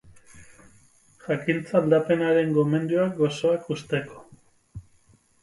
Jakintza aldaparenaren gomendioak gozoak uzteko.